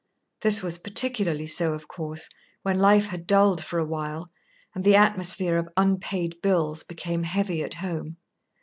This was particularly so, of course, when life had dulled for a while and the atmosphere of unpaid bills became heavy at home.